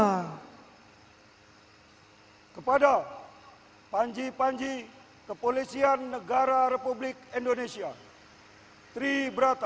kepada panji panji kepolisian negara republik indonesia tri berata